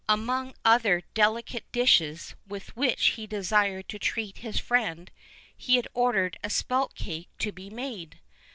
Among other delicate dishes with which he desired to treat his friend, he had ordered a spelt cake to be made.